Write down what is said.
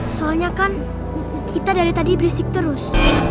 soalnya kan kita dari tadi berisik terus